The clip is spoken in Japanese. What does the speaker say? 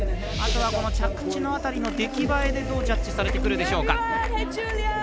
あとは着地のあたりの出来栄えでどうジャッジされてくるでしょうか。